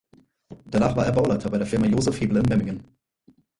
Danach war er Bauleiter bei der Firma Josef Hebel in Memmingen.